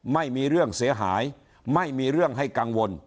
ไม่มีเรื่องเสียหายไม่มีเรื่องให้กังวล